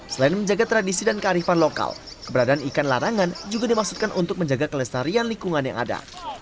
selain menjaga tradisi dan kearifan lokal keberadaan ikan larangan juga dimaksudkan untuk menjaga kelestarian lingkungan yang ada